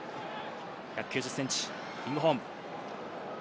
１９０ｃｍ、キングホーン。